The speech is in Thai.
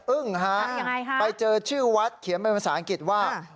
อึ้งฮะไปเจอชื่อวัดเขียนเป็นภาษาอังกฤษว่า